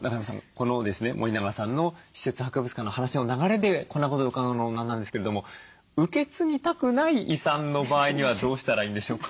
この森永さんの私設博物館の話の流れでこんなことを伺うのも何なんですけれども受け継ぎたくない遺産の場合にはどうしたらいいんでしょうか？